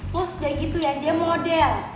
terus kayak gitu ya dia model